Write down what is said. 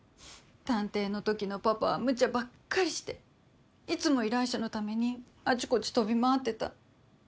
探偵のときのパパは無茶ばっかりしていつも依頼者のためにあちこち飛び回ってた。